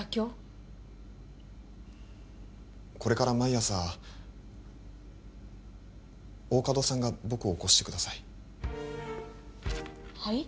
これから毎朝大加戸さんが僕を起こしてくださいはい？